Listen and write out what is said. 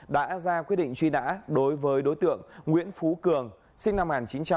đã ra quyết định truy nã đối với đối tượng nguyễn phú cường sinh năm một nghìn chín trăm tám mươi